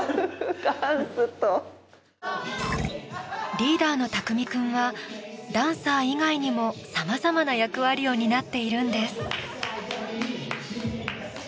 リーダーのＴＡＫＵＭＩ君はダンサー以外にもさまざまな役割を担っているんです。